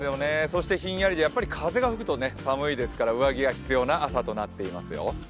そしてひんやりで風が吹くと寒いですから上着が必要な朝となっていますよ。